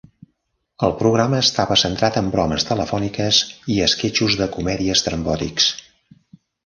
El programa estava centrat en bromes telefòniques i esquetxos de comèdia estrambòtics.